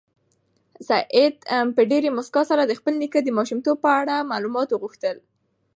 سعید په ډېرې موسکا سره د خپل نیکه د ماشومتوب په اړه معلومات وغوښتل.